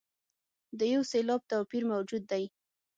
د یو سېلاب توپیر موجود دی.